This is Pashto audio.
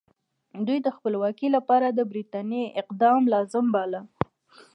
دوی د خپلواکۍ لپاره د برټانیې اقدام لازم باله.